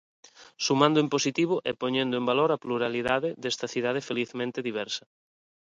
Sumando en positivo e poñendo en valor a pluralidade desta cidade felizmente diversa.